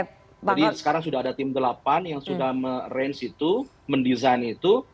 jadi sekarang sudah ada tim delapan yang sudah merange itu mendesain itu